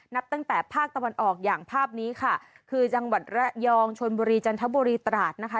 นับตั้งแต่ภาคตะวันออกอย่างภาพนี้ค่ะคือจังหวัดระยองชนบุรีจันทบุรีตราดนะคะ